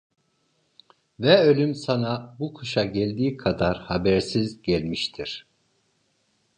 Ve ölüm sana bu kuşa geldiği kadar habersiz gelmiştir.